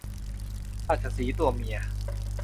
ราชสีห์ตัวเมีย